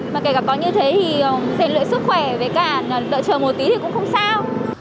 mà kể cả có như thế thì diện luyện sức khỏe với cả đợi chờ một tí thì cũng không sao